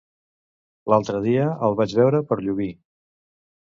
L'altre dia el vaig veure per Llubí.